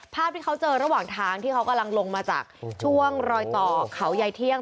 ภาพที่เขาเจอระหว่างทางที่เขากำลังลงมาจากช่วงรอยต่อเขายายเที่ยง